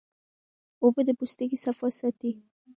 اوبه د پوستکي صفا ساتي